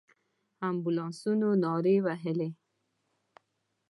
امبولانسونو نارې وهلې.